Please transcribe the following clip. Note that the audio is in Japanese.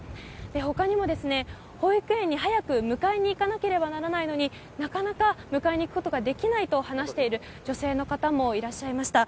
他にも保育園に早く迎えに行かなければならないのになかなか迎えに行くことができないと話している女性の方もいらっしゃいました。